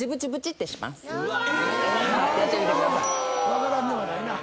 分からんではないな。